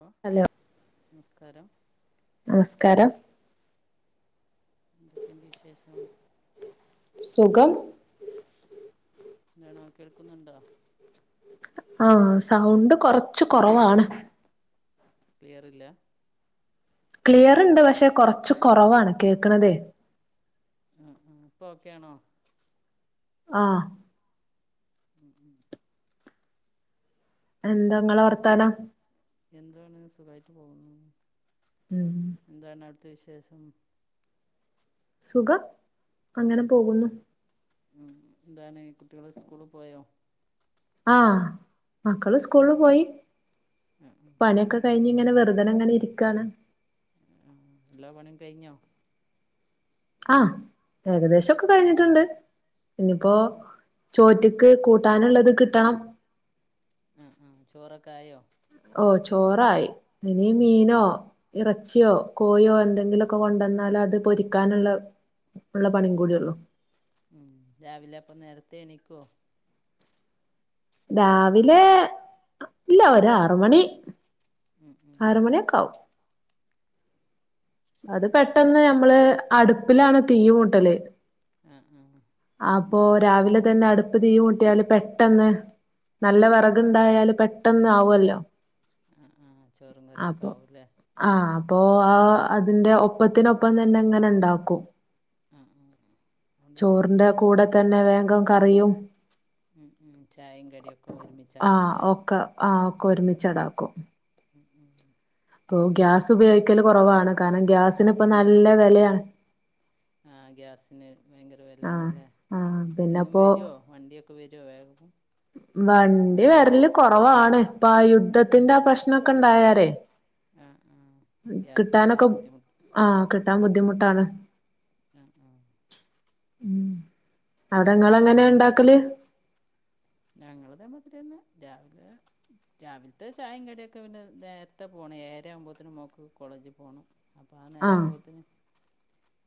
ഹ hello നമസ്കാരം നമസ്കാരം ഇതൊക്കെ എൻന്റെറെ വിശേഷം സുഖം എന്തണാ കേൾക്കുന്നുണ്ടോ ആഹ സൗണ്ട് കൊറച്ച് കൊറവാണ് ക്ലിയർല്ല ക്ലിയർ ഇണ്ട് പക്ഷെ കൊറച്ച് കുറവാണ് കേക്കണതേ ഉം ഉം ഇപ്പൊ ഒക്കെയാണോ? ആഹ് [inaudible] എന്താ നിങ്ങളെ വർത്താനം? എന്താണ് സുഖമായിട്ട് പോകുന്നു. ഉം എന്താണ് അ വിശേഷം? സുഖം അങ്ങനെ പോകുന്നു. ഉം എന്താണ് കുട്ടികള് സ്കൂള പോയോ? ആഹ് മക്കള് സ്കൂളിൽ പോയി. ആ, ആ, പണിയൊക്കെ കഴിഞ്ഞ് ഇങ്ങനെ വെറുതന അങ്ങനെ ഇരിക്കാണ്. എല്ല പണിയും കഴിഞ്ഞോ? ആഹ് ഏകദേശൊക്കെ കഴിഞ്ഞിട്ടുണ്ട് ഇന്നിയിപ്പോ ചോറ്റക്ക് കൂട്ടാനുള്ളത് കിട്ടണം. ഉം ഉം ചോറൊക്കെ ആയോ? ഓ ചോറായി ഇനി മീനോ ഇറച്ചിയോ കോയോ എന്തെങ്കിലുമൊക്കെ കൊണ്ടുവന്നാല അത് പൊരിക്കാനുള്ള ഉള്ള പണിയും കൂടിയുള്ളു. ഉം രാവിലെ അപ്പ നേരത്തെ എണിക്കോ? രാവിലെ ഇല്ല ഒരാറ് മണി ഉം, ഉം. ആറ് മണിയൊക്കെ ആവും. അത് പെട്ടെന്ന് ഞമ്മള് അടുപ്പിലാണ് തീ മൂട്ടല്. ആ ആ അപ്പൊ രാവിലെ തന്നെ അടുപ്പ് തീ മുട്ടിയാല് പെട്ടെന്ന് നല്ല ആ ആ വറകണ്ടായാലും പെ പെട്ടന്ന് ആവല്ലോ ആ ആ ചോറും കറിയൊക്കെ അപ്പൊ ആവും അല്ലേ ആഹ് അപ്പൊ ആ അതിന്റെ ഒപ്പത്തിനൊപ്പം തന്നെ എങ്ങനെ ഉണ്ടാക്കും ആ ആ ആ. അതുകൊണ്ടുള്ള ചോറിന്റെ കൂടെ സുഖമാണല്ലേ തന്നെ വേഗും കറിയും ഉം, ഉം. ചായയും കടിയൊക്കെ ആഹ് ഒരുമിച്ചാക്കൂല്ലേ ഒക്കെ ആ ക്കൊരുമിച്ച് അതാക്കും ഉം ഉം ഓ ഗ്യാസ് ഉപയോഗിക്കല് കുറവാണ് കാരണം ഗ്യാസിന് ഇപ്പ എന്ത് നല്ല വിലയാണ് ആ ഗ്യാസിന് ഭയങ്കര ആഹ് വിലയാണല്ലേ ആഹ് എന്നും പിന്നെപ്പോ വരുവോ വണ്ടിയൊക്കെ വരുമോ വേഗം വണ്ടി വരല് കുറവാണ് ഇപ്പ ആ യുദ്ധത്തിന്റെ ആ പ്രശ്നമൊക്കെ ഇണ്ടായാരേ ആഹ് ആ ഗ്യാസ് കിട്ടാൻ ബുദ്ധിമുട്ട് ആഹ് കിട്ടാൻ ബുദ്ധിമുട്ടാണ്. ഉം ഉം ഉം അവിടങ്ങൾ എങ്ങനാ ഉണ്ടാക്കല്? ഞങ്ങളിതെ മാതിരി തന്നെ രാവിലെ രാവിലത്തെ ചായേംകടിയൊക്കെ പിന്നെ നേരത്തെ പോണം ഏഴര ആവുമ്പോഴത്തേനും മോക്ക് കോളേജിൽ പോണം അപ്പോം ആ നേരം ആഹ് ആവുമ്പോഴത്തന്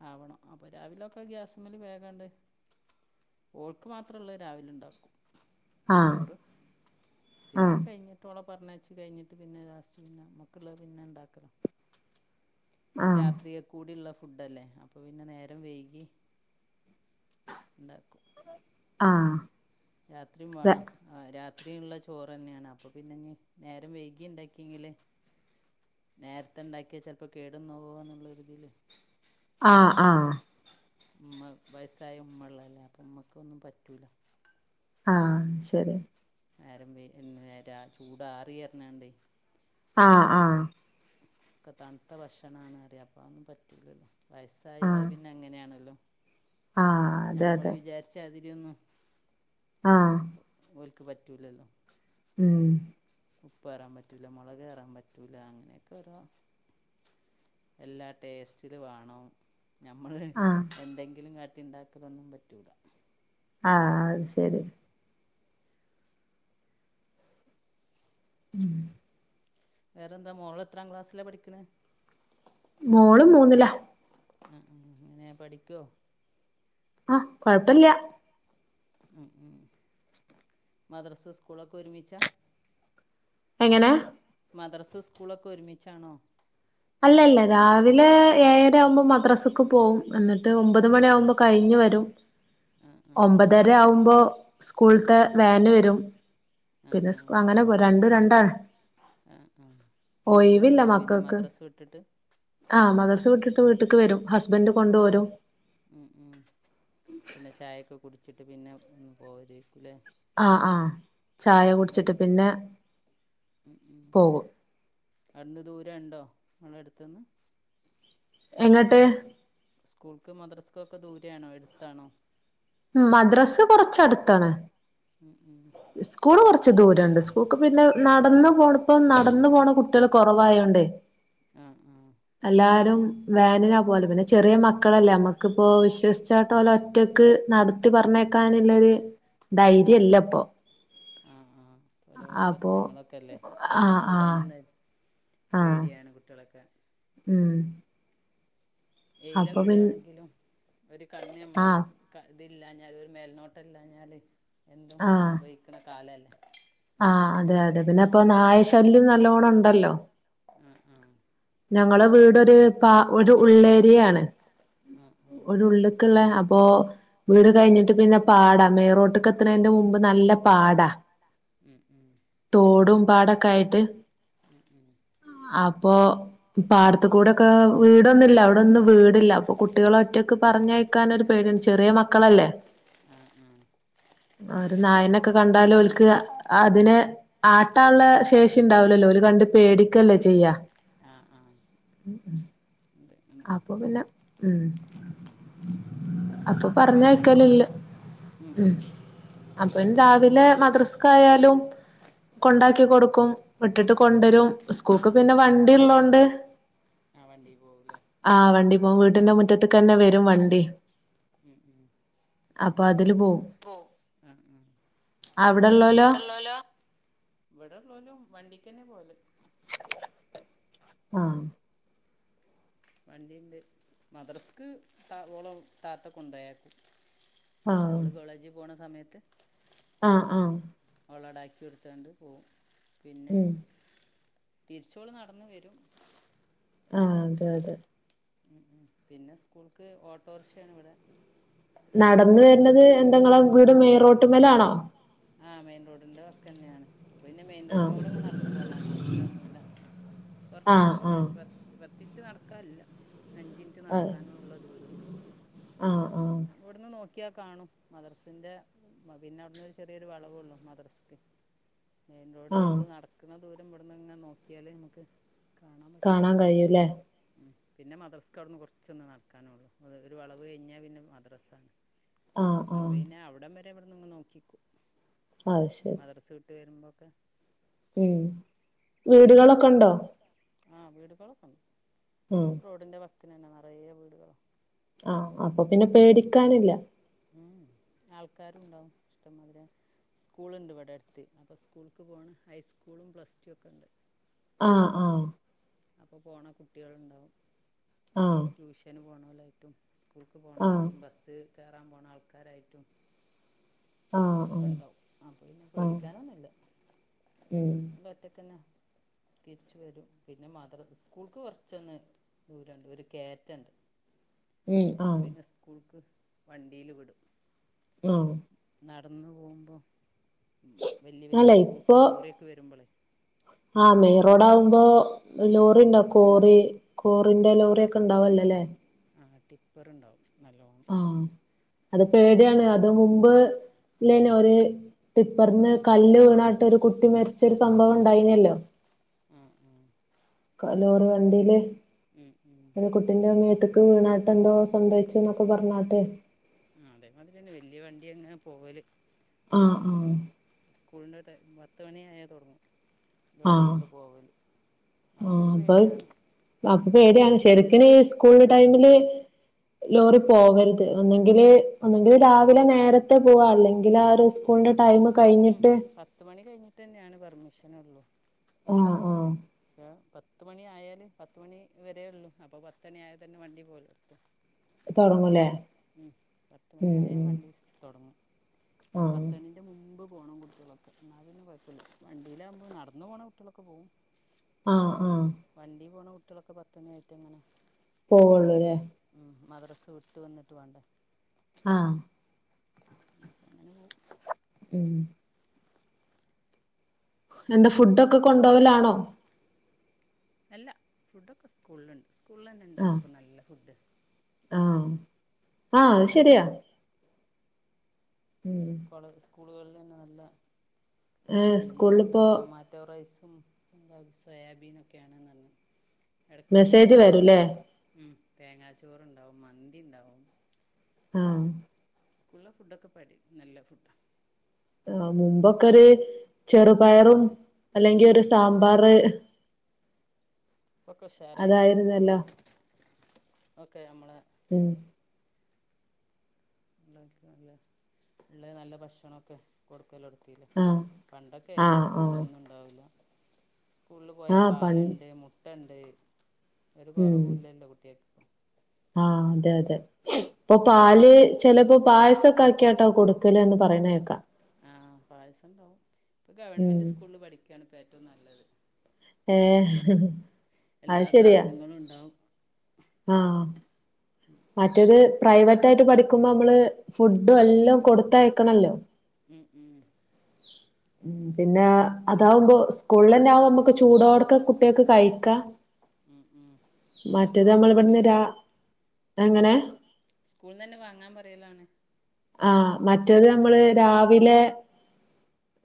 ആവണം അപ്പോൾ രാവിലൊക്കെ ഗ്യാസ്സ്മ്മല് വേഗാണ്ട് ഓൾക്ക് മാത്ര ഉള്ള രാവില ഇണ്ടാക്കും. ആഹ് ചോറ് പിന്നെ ആഹ് കഴിഞ്ഞിട്ടോള പറഞ്ഞയ് ച്ചി കഴിഞ്ഞിട്ട് പിന്നെ ലാസ്റ്റ് പിന്നെ മ്മക്കിള്ള പിന്നെ ഇണ്ടാക്കല ആഹ് രാത്രിയെ കൂടിള്ള ഫു ഫുഡല്ലെ അപ്പോ പിന്നെ നേരം വൈകി ഇണ്ടാക്കും ആഹ് രാത്രിയും ര വേണം ആ രാത് ത്രിയിള്ള ചോറന്നെയാണ് അപ്പോ പിന്നെഞ്ഞി നേരം വൈഗി ഇണ്ടാക്കിയെങ്കിലെ നേരത്തെ എണ്ടാക്കിയാ ചിലപ്പോ കേടുന്നവോ എന്നുള്ളോരിതില് ആഹ് ആ ഉമ്മ വയസ്സായ ഉമ്മുള്ളല്ലേ അപ്പ ഉമ്മക്കും ഒന്നും പറ്റൂല ആ ശരി ആരം വെയിൽ [unintelligible] ചൂടാറിയാർന്നെന്റെ ആ ആ ഒക്കെ തണുത്ത ഭക്ഷണാണ അറിയ അപ്പ ഒന്നും പറ്റൂലല്ല വയസ്സായോ ആഹ് പിന്നെ അങ്ങനെയാണല്ലോ ആഹ് അതെ ഞമ്മള് വിചാരിച്ചാതി യെന്നു ആ ഓൾക്ക് പറ്റൂലല്ലോ ഉം ഉപ്പ് കേറാൻ പറ്റുല്ല മുളക് കേറാൻ പറ്റൂല്ല അങ്ങനെയൊക്കെ ഒരോ എല്ലാ ടേസ്റ്റിലു വേണം ഞമ്മള് ആഹ് എന്തെങ്കിലും കാ [unintelligible] ഇണ്ടാക്കലൊന്നും പറ്റൂല ആ അത് ശരി ഉം വേറെ എന്താ മോളെത്രാ ക്ലാസ്സില പഠിക്കണെ മോളും മൂന്നില ആ ഉ എങ്ങനെ പഠിക്കോ ആ കൊഴപ്പില്ല്യാ ഉ ഉം മദ്രസ സ്കൂളൊക്കെ ഒരുമിച്ചാ എങ്ങനെ മദ്രസ സ്കൂളൊക്കെ ഒരുമിച്ചാണോ അല്ലല്ല രാവിലെ ഏഴര ആവുമ്പോ മദ്രാസക്ക് പോവും എന്നിട്ട് ഒമ്പത് മണി ആവുമ്പോ കഴിഞ്ഞു വരും ആ ആ ഒമ്പതര ആവുമ്പോ സ്കൂൾത്തെ വാന് വരും ആ പിന്നെ ആ സ്കു അങ്ങനെ വൊ രണ്ട് രണ്ട് ആ ആ ആ വീട്ട് വരുവോ പിന്നെ മക്കൾക്ക് മദ്രസ വി ആഹ് മദ്രസ വിട്ടിട്ട് വീട്ടക്ക് വരും ഹസ്ബൻഡ് കൊണ്ട് പോരും ഉ ഉ പിന്നെ ചായൊക്കെ കുടിച്ചിട് ട്ട് പിന്നെ ഫ്‌ പോരിഫിലേ ആ ആ ചായ കുടിച്ചിട്ട് പിന്നെ പോകും. നമ്മളെ അടുത്തു നിന്ന് എങ്ങട്ട്? സ്കൂൾക്ക് മദ്രസക്കൊക്കെ ദൂരയാണോ അടുത്താണോ? മദ്രസ് കൊറച്ചടുത്താണ്. മ് മ് ച്ച് ദൂരണ്ട് സ്കൂൾക്ക് പിന്നെ നടന്ന് പോണപ്പോ നടന്നു പോണ കുട്ടികള് കൊറവായോണ്ടേ ആ ആ എല്ലാരും വേനല പോലെ പിന്നെ ചെറിയ മക്കളല്ലേ നമ്മക്കിപ്പോ വിശ്വസിച്ചായിടലെ ഒറ്റക്ക് നട ട്ട് പറഞ്ഞേക്കാനുള്ളൊരു ആ ധൈര്യംല്ല ഇപ്പോ ആ ആ ഓരോ പ്രശ്നങ്ങളൊക്കെല്ലേ ആഹ് ഒറ്റക്ക് ആഹ് വിടാനും നേ ആഹ് പേടിയാണ് കുട്ടികളൊക്കെ ഉം എയിലെ അപ്പൊ പിൻ വിടണെങ്കിലും ഒരു കണ്ണ് നമ്മള് ആഹ് വ് ക ഇ ഇതില്ലാഞ്ഞാല് ഒരു മേൽനോട്ടം ഇല്ലാഞ്ഞാല് എന്തും സംഭവിക്കണ കാലല്ലേ. ആ അതെ അതെ പിന്നെ ഇപ്പോ നായ ശല്യം നല്ലോണം ഇണ്ടല്ലോ. ആ ആ ഞങ്ങള വീടൊര് ക ഒരു ഉള്ളേരിയയാണ്, ആ ആ ഒരു ഉള്ള്ക്ക്ള്ള അപ്പോ വീട് കഴിഞ്ഞിട്ട് പിന്ന പാടാ മേറോട്ട്ക്ക എത്തണെന്റെ മുമ്പ് നല്ല പാടാ. ഉം ഉം തോടും പാടൊക്കെ ആയിട്ട് ഉം ഉം അപ് പോ പാടത്ത്ക്കൂടൊക്കെ വീടൊന്നില്ല അവിടൊന്നും വീടില്ല, അപ്പ കുട്ടികള ഒറ്റക്ക് പറഞ്ഞയക്കാനൊരു പേടിയാണ്, ചെറിയ മക്കളല്ലേ, ആ ഒരു നായനൊക്കെ കണ്ടാലും ഓല്ക്ക് അതിനെ ആട്ടുള്ള ശേഷി ഇണ്ടാവലല്ലോ ഓല് കണ്ട് പേടിക്കല്ലേ ചെയ്യാ. ആ ആ ആ ഉണ്ട് അപ്പോ പിന്നെ മ് അപ്പോ അപ്പോൾ പിന്നെ ആക്കി പറഞ്ഞയക്കലില്ല ഉം മ് ഉം അപ്പ രാവിലെ മദ്രസ്ക് ആയാലും കൊണ്ടാക്കി കൊടുക്കും, വിട്ടിട്ട് കൊണ്ടരും, സ്കൂൾക്ക് പിന്നെ വണ്ടി ഇള്ളോണ്ട് ആ വണ്ടിയിൽ പോകൂല്ലേ [inaudible] ആ വണ്ടി [unintelligible] ടിന്റെ മുറ്റത്ത്ക്ക് തന്നെ വരും വണ്ടി. മ് അപ്പൊ അതില് പോവും അവിടെള്ളോലോ ഇവിടോള്ളോലും വണ്ടി ക്കന്നെ പോലെ ആ വണ്ടിണ്ട് മദ്രസ്ക്ക് താ ഓള താത്ത കൊണ്ടയക്കും. ഓള് കോളേജിൽ പോണ സമയത് ത് ആ ആ ളടാക്കി കൊടുത്തണ്ട് പോവും. പിന്നെ ഉം തിരിച്ചോള് നടന്ന് വരും ആ അതെ അതെ പിന്നെ സ്കൂൾക്ക് ഓട്ടോറിക്ഷയണിവിടെ നടന്ന വരുന്നത് എന്തെങ്കളും റോട്ട് മേലാണോ ആ മെയിൻറോഡിന്റെ വക്ക്ന്നെയാണ് പിന്നെ മെയിൻ ആഹ് റോഡിമെക്കൂടെ നടന്നിങ്ങ് പോന്നാൽ മതി ദൂരോന്നുല്ല കുറച്ച് ആഹ് ഒരു ആഹ് ണീറ്റ് നടക്കാല്ല അഞ്ചു മിനിറ്റ് അഹ് നടക്കാനോള്ള ദൂരേള്ളൂ ആഹ് ആഹ് ഇവിടുന്ന് നോ കാണും മദ്രസേന്റെ പിന്നെഅങ്ങ് റിയൊരു വളവുള്ളൂ മദ്രസത്തിന് മെയിൻറോഡ് ആഹ് ഓള് നടക്കുന്ന ദൂരം ഇവിടുന്നിങ്ങനെ നോക്കിയാലേ നമുക്ക് കാ കാണാൻ കഴിയൂല്ല പിന്നെ മദ്രസ് ക അവിന്ന് കുറച്ചൊന്ന് നടക്കാനെള്ളു ഒരു വളവ് കഴിഞ്ഞാൽ പിന്നെ മദ്രസ ആണ് ആഹ് ആഹ് അപ്പൊയിന്നെ അവിടെ ഇവിടെ നിന്നങ്ങ് നോക്കിക്കോ ആ ശരി വെരുമ്പൊഴ്ക്ക് മ് വീടുകളൊക്കെ ഉണ്ടോ? ആ വീട് കൊള ഉം റോഡിന്റെ വ ആ അപ്പൊ പിന്നെ പേടിക്കാനില്ല ആൾക്കാരുണ്ടാവും ഇഷ്ടംപോലെ സ്കൂളുണ്ട് ഇവിടെ അടുത്ത് അപ്പോ സ്കൂൾക്ക് പോണ് ഹൈസ്കൂളും പ്ലസ് ടു ഒക്കെ ഉണ്ട് ആ ആ അപ്പോ പോണ കുട്ടികളുണ്ടാവും ആഹ് ട്യൂഷന് പോണ വീട്ടും സ്കൂൾക്ക് ആഹ് പോകണായിട്ട് ബസ്സ് കയറാൻ പോണ ആൾക്കാരായിട്ടും ആഹ് ഒക്കെ ഇണ്ടാവും അപ്പൊ പിന്നെ ആഹ് ആഹ് പേടിക്കാനൊന്നുമില്ല ഉം വറ്റക്കണ് തിരിച്ച വരും പിന്നെ മദ്രാസ്കൂൾക്ക് കുറച്ചൊന്ന് ദൂരമുണ്ട് ഒരു കെയറ്റുണ്ട് ഉം ആഹ് പിന്നെ സ്കൂൾക്ക് വണ്ടിയില് വിടും ആഹ് നടന്നു പോകുമ്പോ വല്യ വല്യ റോ ലോറിയൊക്കെ വരുമ്പോളെ ആ മെറോടമ്പോ ഉം. ലോറി ഉണ്ടാ കോറി കോറിന്റെ ലോറി ഒക്കെ ഇണ്ടാവല്ലോല്ലേ ടിപ്പർ ഉണ്ടാവും ആ അത് അപ്പ് പേടിയാണ് അത് മുമ്പ് ഇല്ലന്നെ ഒരു ടിപ്പറന്ന് കല്ല് വീണാട്ട് ഒരു കുട്ടി മരിച്ചൊരു സംഭവം ഉണ്ടായിന്നല്ലോ ഉം ഉം ലോറ് വണ്ടിയില് ഉം. ഒരു കുട്ടിന്റെ മ്മെ ത് വീണാട്ടെ എന്തോ സംഭച്ചു എന്നൊക്കെ പറഞ്ഞാട്ടെ അതേമാതിരിതന്നെവല്യ വണ്ടി അങ്ങനെ പോവല് ആ ആ [unintelligible] പത്ത് മണിയ ആയാൽ തുടങ്ങ് ആഹ് ലോറിയൊക്കെ പോവല് അപ്പൊ ഒരു പേടിയാണ് അപ്പൊ പേടിയാണ് ശരിക്കന്ഈ സ്കൂള് ടൈമില് ലോറി പോകവരുത് ഒന്നെങ്കിൽ ഒന്നെങ്കിൽ രാവിലെ നേരത്തെ പോവാ അല്ലെങ്കിൽ ആ ഒരു സ്കൂളിന്റെ ടൈമ് ഉം കഴിഞ്ഞിട്ട് പത്ത് മണി കഴിഞ്ഞിട്ട് തന്നെയാണ് പെർമിഷൻഉള്ളൂ ആ ആ പക്ഷേ പത്ത് മണി ആയാല് പത്ത് മണി വര ഉള്ളു അപ്പൊ പത്ത് മണി ആയാൽ തന്നെ വണ്ടി പോലെഎടുത്തു തുടങ്ങുംല്ലേ മ് പത്ത് മണി ആായ വണ്ടി് തുടങ്ങും ആഹ് പത്തണിന്റെ മുമ്പ് പോണം കുട്ടികളൊക്കെ എന്നാ പിന്നെ കുഴപ്പമില്ല വണ്ടിയിലാവകുമ്പോ നടന്ന് പോണ കുട്ടികളൊക്കെ പോവും ആ വണ്ടി പോണ കുട്ടികളൊക്കെ പത്ത് മണിയായിട്ട് ഇങ്ങനെ പോവുള്ളൂല്ലേ മദ്രസവിട്ട് വന്നിട്ട് വേണ്ട ആ അപ്പം അങ്ങനെ പോകും ഉം എന്താ ഫുഡൊക്കെ കൊണ്ടുപോവലാണോ അല്ല ഫുഡൊക്കെ സ്കൂളിലുണ്ട് സ്കൂളിൽന്നെ ഉണ്ടല്ലോ ആഹ് ഇപ്പോ നല്ല ഫുഡ് ആ അത് നല്ല ശരിയാ ഉം കൊളസ് സ്കൂളുകളിൽ തന്നെ നല്ല ഫുഡ് ഏഹ് ഇന്ന് നല്ല സ്കൂളിലിപ്പോ ടൊമാറ്റോ റൈസ് ഇപ്പ എന്ത സോയാബീനൊക്കെയാണ്എന്ന് എടയ്ക്ക് മെസ്സേജ് നെയ്ച്ചോറ് വരൂല്ലേ ഉണ്ടാവും. തേങ്ങാച്ചോറുണ്ടാവും. മന്തി ഉണ്ടാവും. ആ. സ്കൂളിലെ ഫുഡൊക്കെ പടി നല്ല ഫുഡാ. ആ മുമ്പൊക്കെ ഒരു ചെറുപയറും അല്ലെങ്കി ഉം ഒരു സാമ്പാറ് ഇപ്പൊക്കെക്കെ ഉഷാറായില്ലേ സ്കൂളും അതായിരുന്നല്ലോ ഒക്കെ നമ്മളെ ഉം ഉം സ്‌കൂളില് നല്ല ഭക്ഷണൊക്കെ കൊടുക്കലൊടുങ്ങി. ആഹ് പണ്ടൊക്കെണ് ആഹ് ആഹ് സ്കൂളിലൊന്നും ഉണ്ടാവില്ല. സ്കൂളിൽ പോയാ ആഹ് പണ്ട് പാലുണ്ട്. മുട്ട ണ്ട്. [inaudible] ഒരു കുറവും ഇല്ല എൻ്റെ കുട്ടിയക്ക്. ആ അതെ അതെ ഇപ്പൊ പാല് ചിലപ്പോ പായസൊക്കെ ആക്കിയാട്ടാ കൊടുക്കല് എന്ന് പറയണേക്കാം. ആ പായസുണ്ടാവും. ഉം ഗവൺമെൻറ് സ്കൂളിൽ പഠിക്കണ് ഇപ്പോ ഏറ്റവും നല്ലത്. ഏ. എല്ലാ സാധനങ്ങളും ഉണ്ടാവും. ആഹ്. മറ്റേത് പ്രൈവറ്റ് ആയിട്ട് പഠിക്കുമ്പോ നമ്മള് ഫുഡും എല്ലാം കൊടുത്തയക്കണല്ലോ. ഉം. പിന്നെ ഓക്കെ അതാവുമ്പോ സ്കൂളിന്നെ ആവു നമുക്ക് ചൂടോടെ കുട്ടിയോൾക്ക് കഴിക്ക ഉം ഉം മറ്റേത് നമ്മൾ ഇവിടുന്ന് രാ എങ്ങനെ സ്കൂളിന്ന് തന്നെ വാങ്ങാൻ പറയലാണ്. ആ മറ്റത് നമ്മള് രാവിലെ